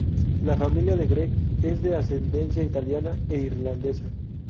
La familia de Greg es de ascendencia italiana e irlandesa.